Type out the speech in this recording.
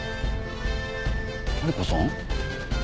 マリコさん？